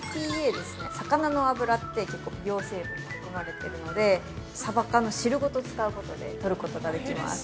ＥＰＡ、魚の脂って結構美容成分が含まれているのでサバ缶の汁ごと使うことで、取ることができます。